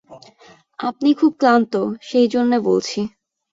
আপনি খুব ক্লান্ত, সেই জন্যে বলছি।